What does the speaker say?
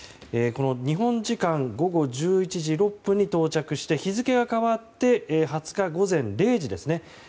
日本時間午後１１時６分に到着して日付が変わって２０日午前０時ですね。